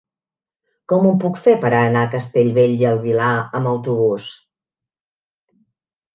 Com ho puc fer per anar a Castellbell i el Vilar amb autobús?